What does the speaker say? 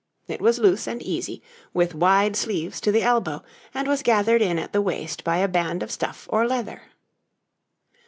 It was loose and easy, with wide sleeves to the elbow, and was gathered in at the waist by a band of stuff or leather.